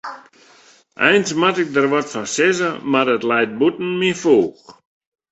Eins moat ik der wat fan sizze, mar it leit bûten myn foech.